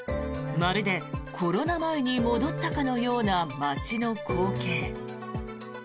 まるでコロナ前に戻ったかのような街の光景。